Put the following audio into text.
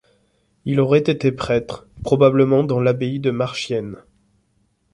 Il aurait été prêtre, probablement dans l'abbaye de Marchiennes.